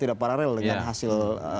tidak paralel dengan hasil